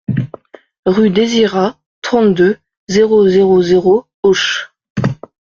Rue Désirat, trente-deux, zéro zéro zéro Auch